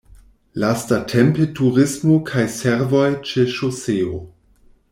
Lastatempe turismo kaj servoj ĉe ŝoseo.